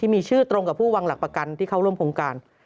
มีชื่อตรงกับผู้วางหลักประกันที่เข้าร่วมโครงการ